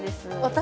私